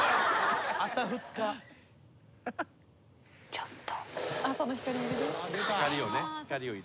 「ちょっと」